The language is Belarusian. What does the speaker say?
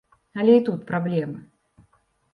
Але і тут праблемы.